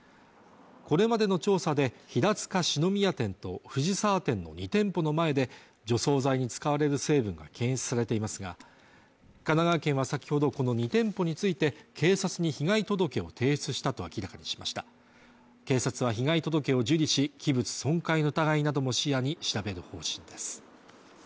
これまでの調査で平塚四之宮店と藤沢店の２店舗の前で除草剤に使われる成分が検出されていますが神奈川県は先ほどこの２店舗について警察に被害届を提出したと明らかにしました警察は被害届を受理し器物損壊の疑いなども視野に調べる方針です